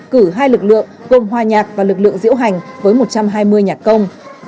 cử hai lực lượng gồm hòa nhạc và lực lượng diễu hành với một trăm hai mươi nhạc công